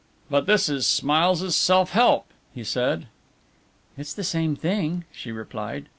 "But this is 'Smiles's Self Help,'" he said. "It's the same thing," she replied.